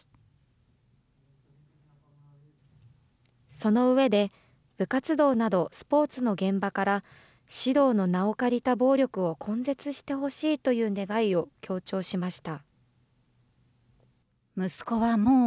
その上で、部活動などスポーツの現場から指導の名を借りた暴力を根絶してほしいという願いを強調しました。